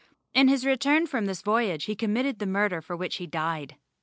In his return from this voyage he committed the murder for which he died.